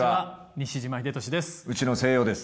西島秀俊です。